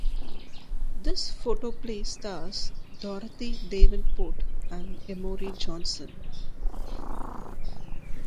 The photoplay stars Dorothy Davenport and Emory Johnson.